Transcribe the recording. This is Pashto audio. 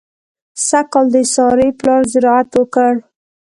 سږ کال د سارې پلار زراعت وکړ.